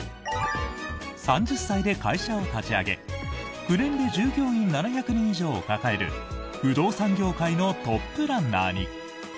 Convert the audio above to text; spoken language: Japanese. ３０歳で会社を立ち上げ、９年で従業員７００人以上を抱える不動産業界のトップランナーに。